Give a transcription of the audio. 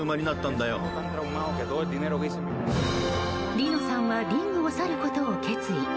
リノさんはリングを去ることを決意。